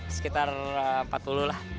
sekitar empat puluh lah